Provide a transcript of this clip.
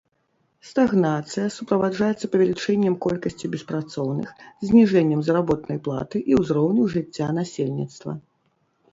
Стагнацыя суправаджаецца павелічэннем колькасці беспрацоўных, зніжэннем заработнай платы і ўзроўню жыцця насельніцтва.